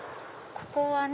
ここはね